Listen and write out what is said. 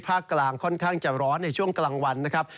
กลางค่อนข้างจะร้อนในช่วงกลางวันนะครับ